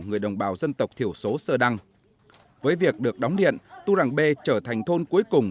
người đồng bào dân tộc thiểu số sơ đăng với việc được đóng điện tu rằng b trở thành thôn cuối cùng